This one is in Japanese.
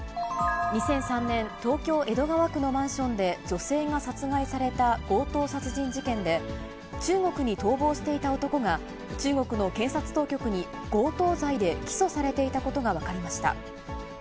２００３年、東京・江戸川区のマンションで女性が殺害された強盗殺人事件で、中国に逃亡していた男が中国の検察当局に強盗罪で起訴されていたことが分かりました。